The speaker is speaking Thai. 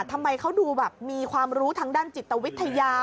ทำไมเขาดูแบบมีความรู้ทางด้านจิตวิทยา